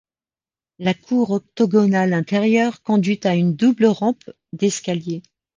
La cour octogonale intérieure conduit à une double rampe d'escalier.